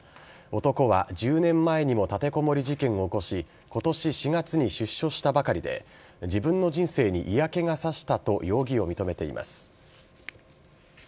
男は１０年前にも立てこもり事件を起こし今年４月に出所したばかりで自分の人生に嫌気が差したと容疑を認めています。